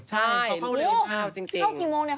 เขา่าจริง